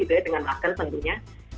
dengan masker tentunya